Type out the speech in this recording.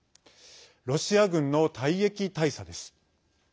ロシア軍の退役大佐です。